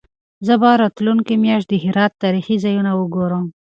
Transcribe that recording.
زه به راتلونکې میاشت د هرات تاریخي ځایونه وګورم.